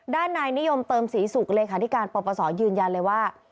ด้านนายนิยมเติมศรีศุกร์เลขาธิการปปศยืนยันเลยว่า